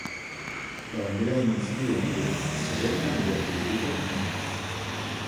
La Bandera del Municipio de Nilo se adopta mediante Decreto No.